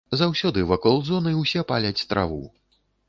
Заўсёды вакол зоны ўсе паляць траву.